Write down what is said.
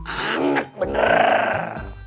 air putihnya anget bener